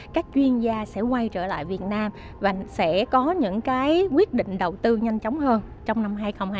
các chuyên gia sẽ quay trở lại việt nam và sẽ có những cái quyết định đầu tư nhanh chóng hơn trong năm hai nghìn hai mươi